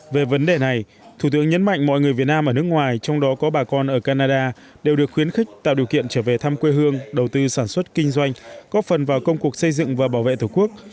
về vấn đề này thủ tướng nhấn mạnh mọi người việt nam ở nước ngoài trong đó có bà con ở canada đều được khuyến khích tạo điều kiện trở về thăm quê hương đầu tư sản xuất kinh doanh góp phần vào công cuộc xây dựng và bảo vệ tổ quốc